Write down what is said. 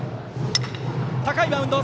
高いバウンド。